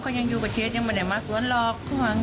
เขายังอยู่กับเทียดยังไม่ได้มาสวนหลอก